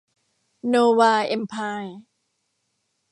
โนวา เอมไพร์